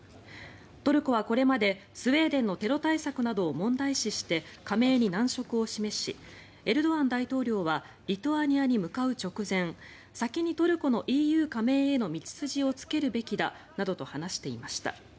トルコはこれまでスウェーデンのテロ対策などを問題視して加盟に難色を示しエルドアン大統領はリトアニアに向かう直前先にトルコのＥＵ加盟への道筋をつけるべきだなどと話していました。